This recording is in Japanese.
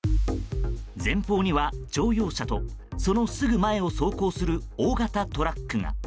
前方には乗用車とそのすぐ前を走行する大型トラックが。